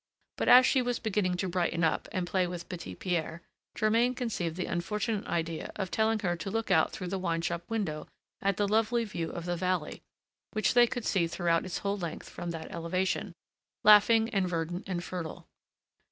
But as she was beginning to brighten up and play with Petit Pierre, Germain conceived the unfortunate idea of telling her to look out through the wine shop window at the lovely view of the valley, which they could see throughout its whole length from that elevation, laughing and verdant and fertile.